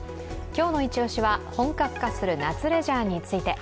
今日のイチオシは本格化する夏レジャーについて。